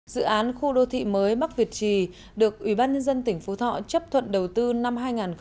dự án khu đô thị mới bắc việt trì được ubnd tỉnh phú thọ chấp thuận đầu tư năm hai nghìn bốn